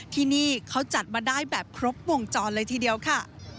ที่นี่เขาจัดมาได้แบบครบวงจรเลยทีเดียวค่ะ